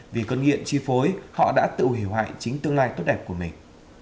vì con nghiện chi phối họ đã tự hiểu hại chính tương lai tốt đẹp của mình